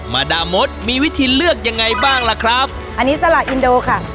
มาดามดมีวิธีเลือกยังไงบ้างล่ะครับอันนี้สละอินโดค่ะ